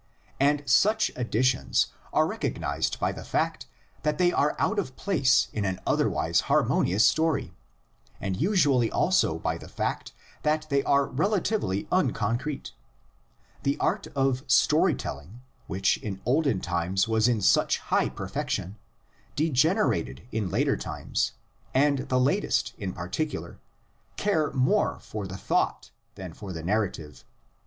and such additions are recognised by the fact that they are out of place in an otherwise harmo nious story, and usually also by the fact that they are relatively unconcrete: the art of story telling, which in olden times was in such high perfection, degen erated in later times, and the latest, in particular, care more for the thought than for the narrative.